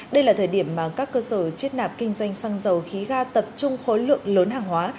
đây là thời điểm mà các cơ sở chiết nạp kinh doanh xăng dầu khí ga tập trung khối lượng lớn hàng hóa